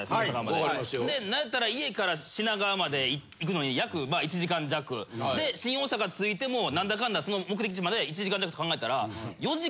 でなんやったら家から品川まで行くのに約１時間弱。で新大阪着いてもなんだかんだその目的地まで１時間弱って考えたら。